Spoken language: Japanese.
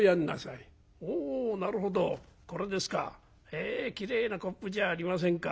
へえきれいなコップじゃありませんか。